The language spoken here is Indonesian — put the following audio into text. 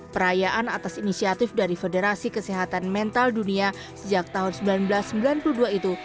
perayaan atas inisiatif dari federasi kesehatan mental dunia sejak tahun seribu sembilan ratus sembilan puluh dua itu